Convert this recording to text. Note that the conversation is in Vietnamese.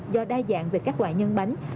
do đa dạng về các loại nhân bánh